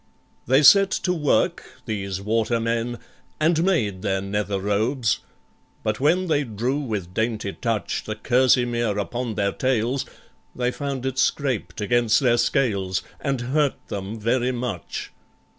They set to work, these water men, And made their nether robes—but when They drew with dainty touch The kerseymere upon their tails, They found it scraped against their scales, And hurt them very much.